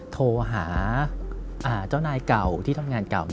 โทรหาเจ้านายเก่าที่ทำงานเก่า